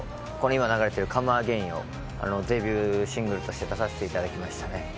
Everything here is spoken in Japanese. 今、流れている「ＣｏｍＡｇａｉｎ」をデビューシングルとして出させていただきました。